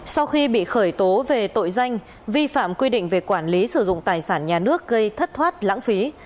sau khi bị khởi tố về tội danh vi phạm quy định về quản lý sử dụng tài sản nhà nước gây thất thoát lãng phí